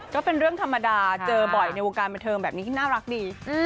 ก็เป็นเรื่องธรรมดาเจอบ่อยในวงการบันเทิงแบบนี้ที่น่ารักดี